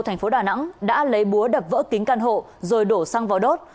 thành phố đà nẵng đã lấy búa đập vỡ kính căn hộ rồi đổ xăng vào đốt